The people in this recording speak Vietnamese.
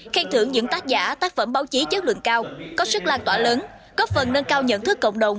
khen thưởng những tác giả tác phẩm báo chí chất lượng cao có sức lan tỏa lớn góp phần nâng cao nhận thức cộng đồng